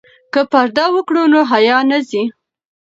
که پرده وکړو نو حیا نه ځي.